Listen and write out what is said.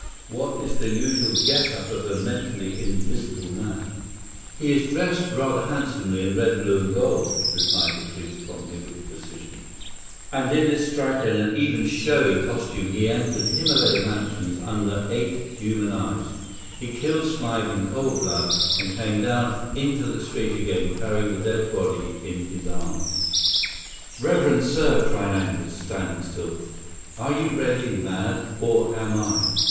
What is the usual get up of a mentally invisible man?" "He is dressed rather handsomely in red, blue and gold," replied the priest promptly with precision, "and in this striking, and even showy, costume he entered Himylaya Mansions under eight human eyes; he killed Smythe in cold blood, and came down into the street again carrying the dead body in his arms " "Reverend sir," cried Angus, standing still, "are you raving mad, or am I?"